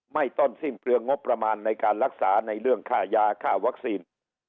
ต้นสิ้นเปลืองงบประมาณในการรักษาในเรื่องค่ายาค่าวัคซีน